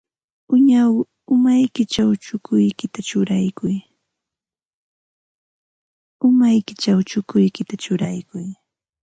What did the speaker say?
Umaykićhaw chukuykita churaykuy.